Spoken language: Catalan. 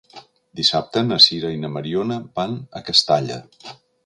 Dissabte na Sira i na Mariona van a Castalla.